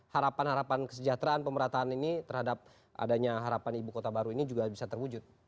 harapan harapan kesejahteraan pemerataan ini terhadap adanya harapan ibu kota baru ini juga bisa terwujud